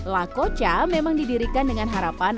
lakoca memang didirikan dengan harapan